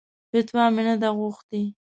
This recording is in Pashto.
فتوا مې نه ده غوښتې.